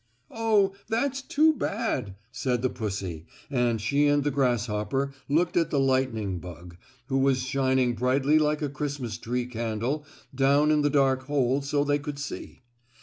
"Oh, that's too bad!" said the pussy, and she and the grasshopper looked at the lightning bug, who was shining brightly like a Christmas tree candle down in the dark hole so they could see.